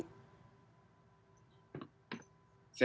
saya tidak bisa mendengarkan